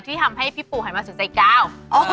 ที่ทำให้พี่ปูหันมาสนใจก้าว